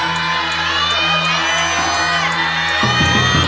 เบอร์๕